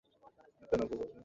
আমি মীনরাশির মেয়ে।